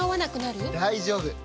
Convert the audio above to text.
大丈夫！